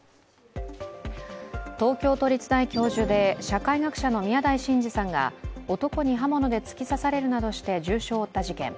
東京都立大教授で社会学者の宮台真司さんが男に刃物で突き刺されるなどして重傷を負った事件